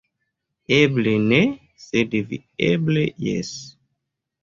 Eble ne, sed vi eble jes".